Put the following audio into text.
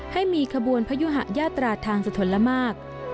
ให้มีขบวนพยุหะยาตราทางสะทนละมาก